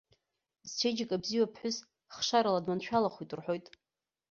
Зчеиџьыка бзиоу аԥҳәыс, хшарала дманшәалахоит рҳәоит.